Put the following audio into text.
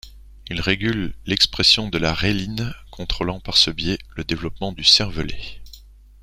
Il régule l'expression de la reeline, contrôlant par ce biais, le développement du cervelet.